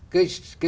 cái chuẩn của cô ta